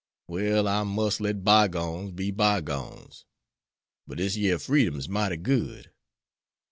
Well, I mus' let by gones be by gones. But dis yere freedom's mighty good."